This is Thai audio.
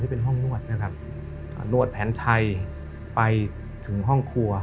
เป็นห้องนวดนะครับนวดแผนชัยไปถึงห้องครัว